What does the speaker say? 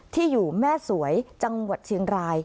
ที่อยู่แม่สวยจังหวัดเชียงราย